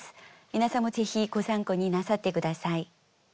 皆さんもぜひご参考になさって下さい。